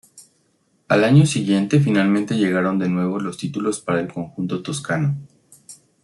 Al año siguiente finalmente llegaron de nuevo los títulos para el conjunto toscano.